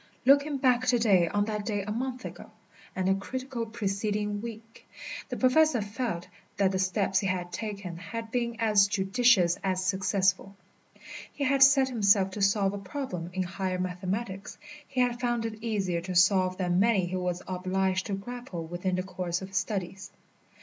Looking back to day on that day a month ago, and the critical preceding week, the Professor felt that the steps he had taken had been as judicious as successful. He had set himself to solve a problem in higher mathematics. He had found it easier to solve than many he was obliged to grapple with in the course of his studies.